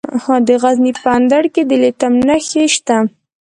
د غزني په اندړ کې د لیتیم نښې شته.